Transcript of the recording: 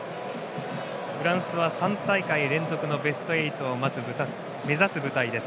フランスは３大会連続のベスト８を目指す舞台です。